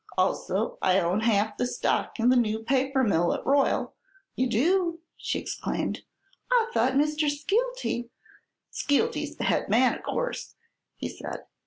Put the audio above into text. Also I own half the stock in the new paper mill at Royal " "You do?" she exclaimed. "I thought Mr. Skeelty " "Skeelty's the head man, of course," he said.